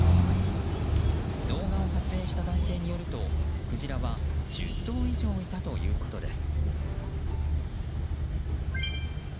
動画を撮影した男性によるとクジラは１０頭以上いたということです。